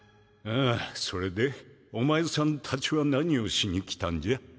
ああそれでお前さんたちは何をしに来たんじゃ？